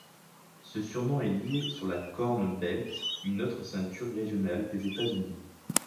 Ce surnom est lié sur la Corn Belt, une autre ceinture régionale des États-Unis.